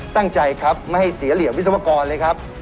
ตั้งใจครับไม่ให้เสียเหลี่ยมวิศวกรเลยครับ